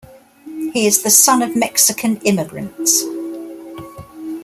He is the son of Mexican immigrants.